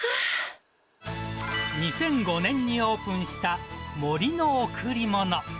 ２００５年にオープンした森のおくりもの。